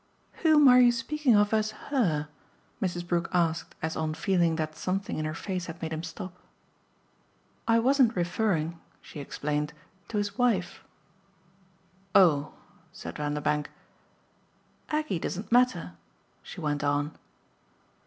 "Whom are you speaking of as 'her'?" Mrs. Brook asked as on feeling that something in her face had made him stop. "I wasn't referring," she explained, "to his wife." "Oh!" said Vanderbank. "Aggie doesn't matter," she went on.